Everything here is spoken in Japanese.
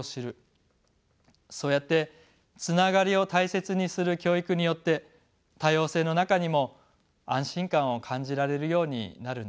そうやってつながりを大切にする教育によって多様性の中にも安心感を感じられるようになるんです。